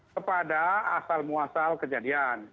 kepada asal muasal kejadian